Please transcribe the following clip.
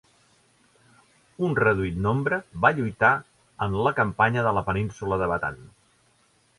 Un reduït nombre va lluitar en la Campanya de la península de Batan.